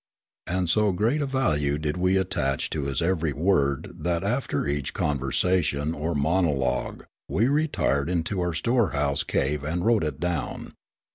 And so great a value did we attach to his ever}' word that after each conversation or monologue we retired into our storehouse cave and wrote it down.